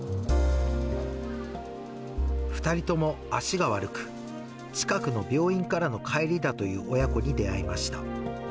２人とも足が悪く、近くの病院からの帰りだという親子に出会いました。